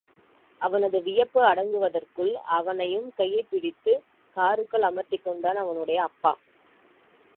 அவனது வியப்பு அடங்குவதற்குள், அவனையும் கையைப் பிடித்து காருக்குள் அமர்த்திக் கொண்டான் அவனுடைய அப்பா.